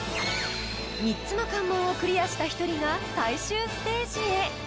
［３つの関門をクリアした１人が最終ステージへ］